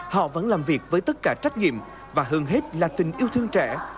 họ vẫn làm việc với tất cả trách nhiệm và hơn hết là tình yêu thương trẻ